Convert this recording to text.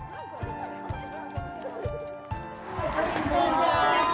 こんにちは。